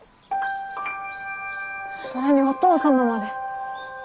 それにお父様まで。